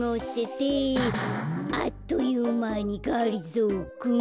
「あっというまにがりぞーくん」